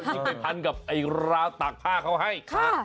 ที่ไปพันกับไอ้ราวตากผ้าเขาให้